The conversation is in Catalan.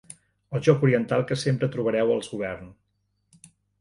El joc oriental que sempre trobareu als Govern.